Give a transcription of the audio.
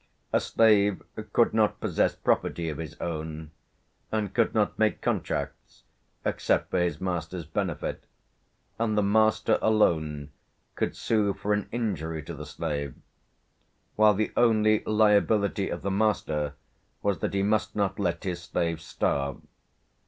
A slave could not possess property of his own, and could not make contracts except for his master's benefit, and the master alone could sue for an injury to the slave; while the only liability of the master was that he must not let his slave starve.